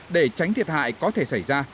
để tránh thiệt hại có thể xảy ra